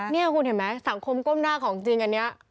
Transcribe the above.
นี่คุณเห็นไหมสังคมก้มหน้าของจริงอันนี้